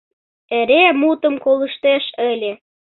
Эре мутым колыштеш ыле...